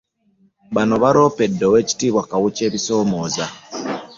Bano baloopedde Oweekitiibwa Kawuki ebisoomoozo